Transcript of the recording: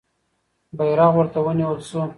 بیرغ ورته ونیول سو.